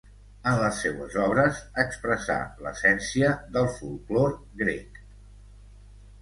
En les seues obres expressà l’essència del folklore grec.